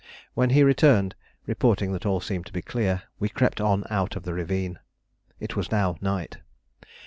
When he returned, reporting that all seemed to be clear, we crept on out of the ravine. It was now night.